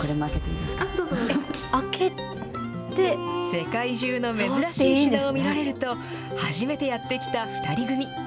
世界中の珍しい品を見られると、初めてやって来た２人組。